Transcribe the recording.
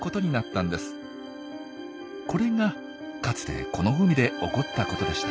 これがかつてこの海で起こったことでした。